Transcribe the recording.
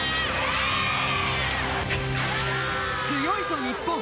強いぞ、日本！